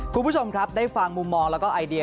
คุณผู้ชมครับได้ฟังมุมมองแล้วก็ไอเดีย